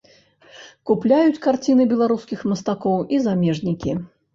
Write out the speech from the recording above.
Купляюць карціны беларускіх мастакоў і замежнікі.